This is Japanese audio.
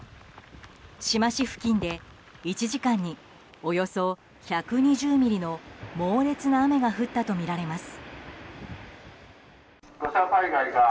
志摩市付近で１時間におよそ１２０ミリの猛烈な雨が降ったとみられます。